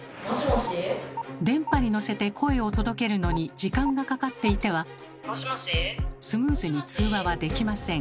電波にのせて声を届けるのに時間がかかっていてはスムーズに通話はできません。